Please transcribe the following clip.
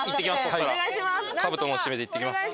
かぶとの緒を締めて行ってきます。